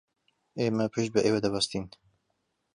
ئێمە پشت بە ئێوە دەبەستین.